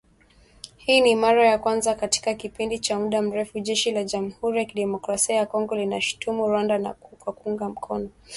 Hii ni mara ya kwanza katika kipindi cha muda mrefu, Jeshi la Jamuhuri ya kidemokrasia ya kongo linaishutumu Rwanda kwa kuunga mkono waasi wa machi ishirini na tatu